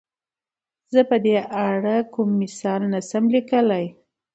زۀ په دې اړه کوم مثال نه شم ليکلی.